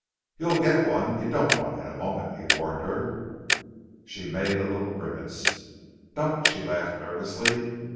"You'll get one you don't want in a moment," he warned her. She made a little grimace. "Don't!" she laughed nervously.